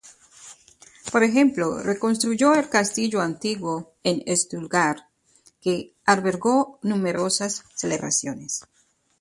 Por ejemplo, reconstruyó el Castillo Antiguo en Stuttgart, que albergó numerosas celebraciones.